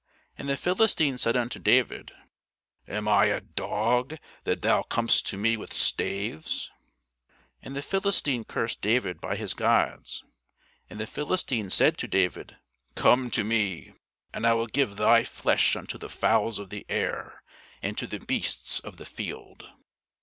And the Philistine said unto David, Am I a dog, that thou comest to me with staves? And the Philistine cursed David by his gods. And the Philistine said to David, Come to me, and I will give thy flesh unto the fowls of the air, and to the beasts of the field.